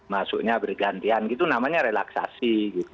masuknya bergantian gitu namanya relaksasi gitu